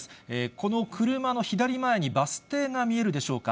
この車の左前にバス停が見えるでしょうか。